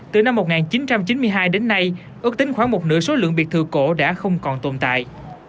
từ năm một nghìn chín trăm chín mươi hai đến nay ước tính khoảng một nửa số lượng biệt thự cổ đã không còn tồn tại